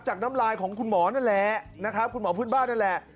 น้ำลายของคุณหมอนั่นแหละนะครับคุณหมอพื้นบ้านนั่นแหละ